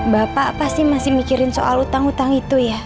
bapak pasti masih mikirin soal hutang hutang itu ya